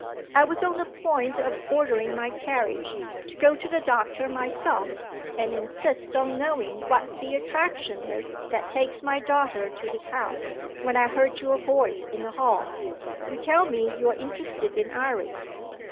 I was on the point of ordering my carriage, to go to the doctor myself, and insist on knowing what the attraction is that takes my daughter to his house, when I heard your voice in the hall. You tell me you are interested in Iris.